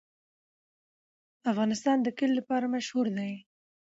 افغانستان د کلي لپاره مشهور دی.